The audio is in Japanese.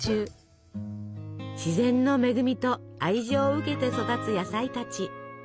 自然の恵みと愛情を受けて育つ野菜たち。